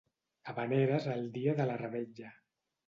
Havaneres el dia de la revetlla.